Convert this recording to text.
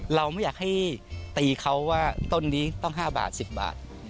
เราไม่อยากให้ตีเขาว่าต้นนี้ต้อง๕บาท๑๐บาท